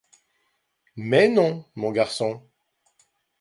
Mais non, mon garçon.